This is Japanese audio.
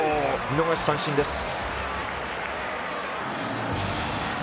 見逃し三振です。